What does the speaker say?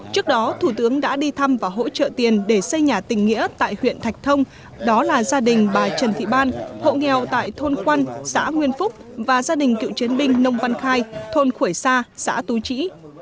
trước đó thủ tướng đã đi thăm và hỗ trợ tiền để xây nhà tình nghĩa tại huyện thạch thông đó là gia đình bà trần thị ban hộ nghèo tại thôn quan xã nguyên phúc và gia đình cựu chiến binh nông văn khai thôn khuẩy sa xã tú trĩ